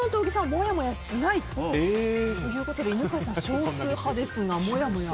もやもやしないということで犬飼さん、少数派ですが。